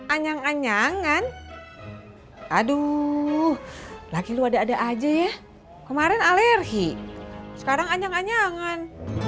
anjang anyangan aduh lagi lu ada ada aja ya kemarin alergi sekarang anjang anyangan